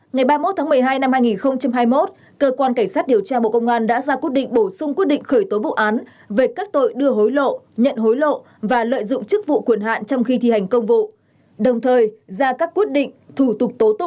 ba ngày ba mươi một tháng một mươi hai năm hai nghìn hai mươi một cơ quan cảnh sát điều tra bộ công an đã ra quyết định bổ sung quyết định khởi tố vụ án về các tội đưa hối lộ nhận hối lộ và lợi dụng chức vụ quyền hạn trong khi thi hành công vụ đồng thời ra các quyết định thủ tục tố tụng cụ thể như sau